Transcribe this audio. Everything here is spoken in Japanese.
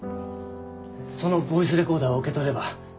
そのボイスレコーダーを受け取れば。